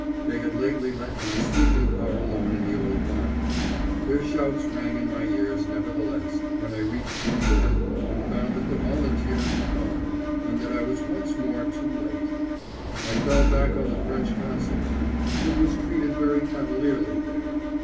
They had lately let my sleeping car alone in the old barn. Their shouts rang in my ears, nevertheless, when I reached New York and found that the volunteers were gone, and that I was once more too late. I fell back on the French Consul then, but was treated very cavalierly there.